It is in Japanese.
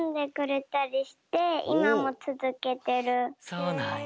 そうなんや。